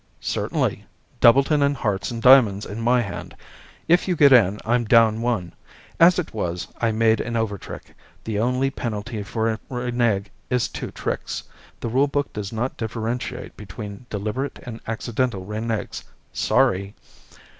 "Certainly. Doubleton in hearts and diamonds in my hand. If you get in, I'm down one. As it was, I made an overtrick. The only penalty for a renege is two tricks. The rule book does not differentiate between deliberate and accidental reneges. Sorry."